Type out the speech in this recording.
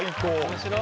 面白い！